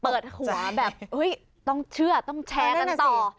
เปิดหัวแบบต้องเชื่อต้องแชร์กันต่อ